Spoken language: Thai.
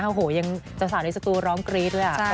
โอ้โหยังสาวในสตูร้องกรี๊ดด้วย